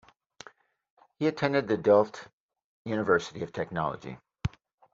He attended the Delft University of Technology.